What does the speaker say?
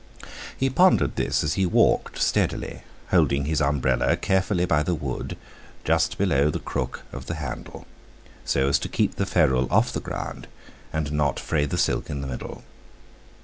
He pondered this as he walked steadily, holding his umbrella carefully by the wood, just below the crook of the handle, so as to keep the ferule off the ground, and not fray the silk in the middle.